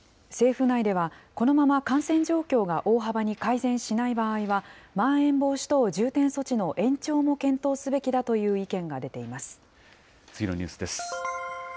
政府内では、このまま感染状況が大幅に改善しない場合は、まん延防止等重点措置の延長も検討すべきだという意見が出ていま次のニュースです。